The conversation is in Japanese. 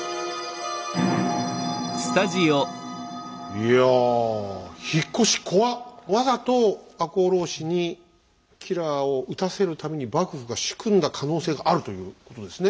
いやわざと赤穂浪士に吉良を討たせるために幕府が仕組んだ可能性があるということですね。